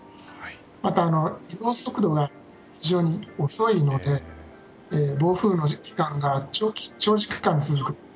また、移動速度が非常に遅いので暴風の期間が長時間続く。